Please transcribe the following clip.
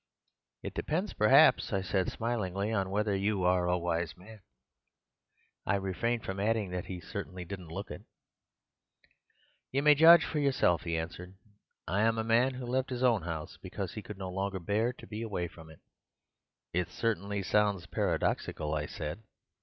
"'It depends perhaps,' I said, smiling, 'on whether you are a wise man.' I refrained from adding that he certainly didn't look it. "'You may judge for yourself,' he answered. 'I am a man who left his own house because he could no longer bear to be away from it.' "'It certainly sounds paradoxical,' I said.